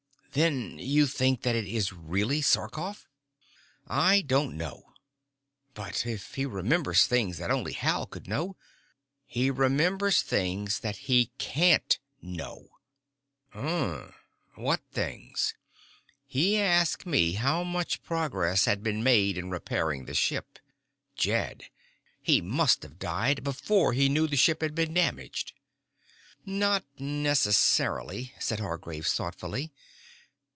"Then you think that it is really Sarkoff?" "I don't know." "But if he remembers things that only Hal could know " "He remembers things that he can't know." "Um. What things?" "He asked me how much progress had been made in repairing the ship. Jed, he must have died before he knew the ship had been damaged." "Not necessarily," said Hargraves thoughtfully.